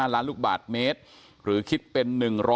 ล้านลูกบาทเมตรหรือคิดเป็น๑๐๐